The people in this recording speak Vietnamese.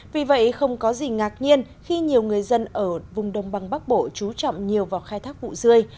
vì vậy không có gì ngạc nhiên khi nhiều người dân ở vùng đông băng bắc bộ trú trọng nhiều vào khai thác vụ dươi